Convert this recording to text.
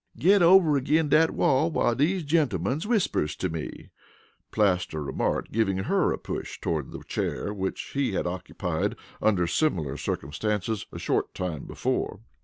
"Git over agin dat wall while dese gen'lemens whispers to me," Plaster remarked, giving her a push toward the chair which he had occupied under similar circumstances a short time before.